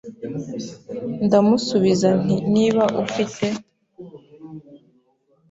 Ndamusubiza nti Niba ufite